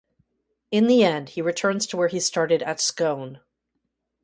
In the end he returns to where he started at Scone.